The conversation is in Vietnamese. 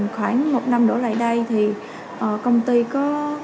khoảng một năm đổ lại đây thì công ty có